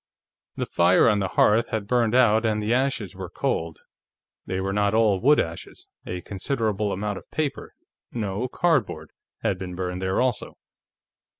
The fire on the hearth had burned out and the ashes were cold. They were not all wood ashes; a considerable amount of paper no, cardboard had been burned there also.